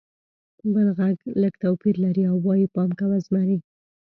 بل غږ لږ توپیر لري او وایي: «پام کوه! زمری!»